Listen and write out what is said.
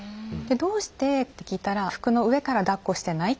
「どうして？」って聞いたら「服の上からだっこしてない？」